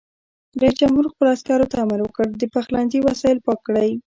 رئیس جمهور خپلو عسکرو ته امر وکړ؛ د پخلنځي وسایل پاک کړئ!